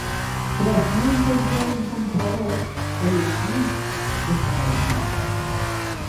Tras no encontrar un comprador, el "Light" desapareció.